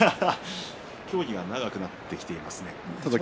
協議が長くなってきてますね。